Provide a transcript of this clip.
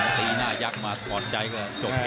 ตีหน้ายักษ์มาสอนได้ก็โอเค